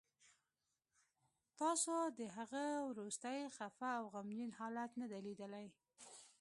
تاسو د هغه وروستی خفه او غمجن حالت نه دی لیدلی